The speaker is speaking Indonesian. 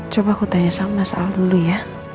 coba aku tanya sama mas al dulu ya